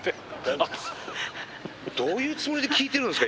どういうつもりで聴いてるんですか？